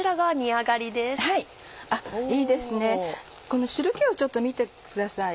この汁気をちょっと見てください。